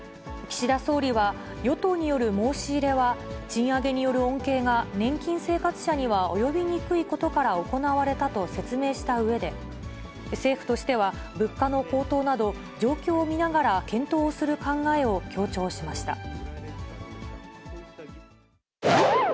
岸田総理は、与党による申し入れは賃上げによる恩恵が年金生活者には及びにくいことから行われたと説明したうえで、政府としては、物価の高騰など、状況を見ながら検討をする考えを強調しました。